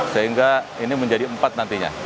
sehingga ini menjadi empat nantinya